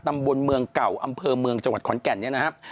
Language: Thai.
ตำบลเมืองเก่าอำเภอเมืองจังหวัดขอนแก่นเนี่ยนะครับ